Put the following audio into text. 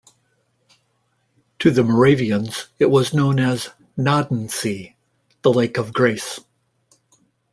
To the Moravians it was known as " Gnadensee," the Lake of Grace.